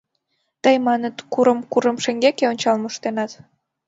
Тый, маныт, курым-курым шеҥгеке ончал моштенат.